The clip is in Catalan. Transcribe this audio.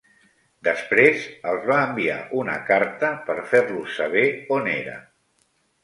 Després, els va enviar una carta per fer-los saber on era.